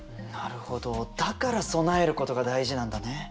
なるほどだから備えることが大事なんだね。